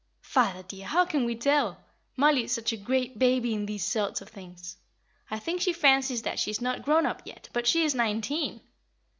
"Father, dear, how can we tell? Mollie is such a great baby in these sort of things; I think she fancies that she is not grown up yet, but she is nineteen.